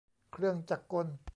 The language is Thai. เครื่องจักรกล